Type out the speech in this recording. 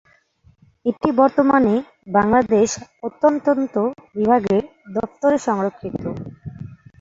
এটি বর্তমানে বাংলাদেশ প্রত্মতত্ত্ব বিভাগের দফতরে সংরক্ষিত।